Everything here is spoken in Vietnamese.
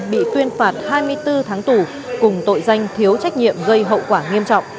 bị tuyên phạt hai mươi bốn tháng tù cùng tội danh thiếu trách nhiệm gây hậu quả nghiêm trọng